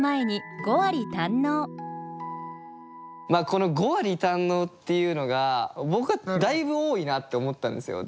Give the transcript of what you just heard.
この「五割堪能」っていうのが僕はだいぶ多いなって思ったんですよ。